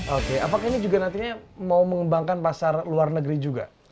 oke apakah ini juga nantinya mau mengembangkan pasar luar negeri juga